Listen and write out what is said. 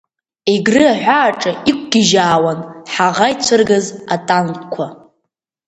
Егры аҳәааҿы иқәгьежьаауан ҳаӷа ицәыргаз атанкқәа.